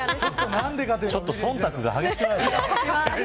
ちょっと忖度が激しくないですか。